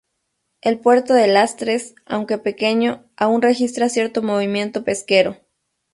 El puerto de Lastres, aunque pequeño, aún registra cierto movimiento pesquero.